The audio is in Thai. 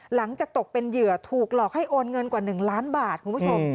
หลังจากตกเป็นเหยื่อถูกหลอกให้โอนเงินกว่า๑ล้านบาทคุณผู้ชม